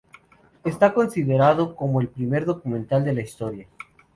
Está considerado como el primer documental de la historia.